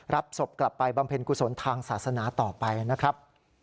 รับศพกลับไปบำเพ็ญกุศลทางศาสนาต่อไปนะครับ